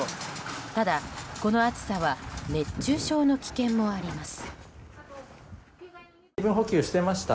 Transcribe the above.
ただ、この暑さは熱中症の危険もあります。